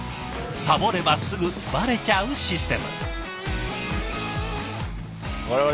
サボればすぐバレちゃうシステム。